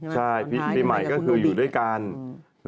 ใช่ปีใหม่ก็คืออยู่ด้วยกันตอนท้ายกับคุณลูบี